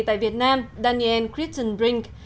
tại việt nam daniel christenbrink